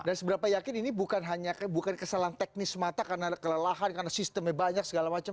dan seberapa yakin ini bukan hanya kesalahan teknis mata karena kelelahan karena sistemnya banyak segala macam